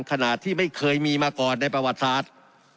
ขณะที่ไม่เคยมีมาก่อนในประวัติศาสตร์